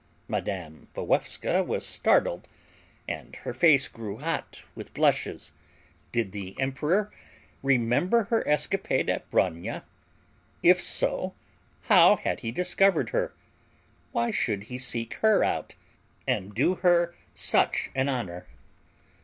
Mme. Walewska was startled, and her face grew hot with blushes. Did the emperor remember her escapade at Bronia? If so, how had he discovered her? Why should he seek her out and do her such an honor?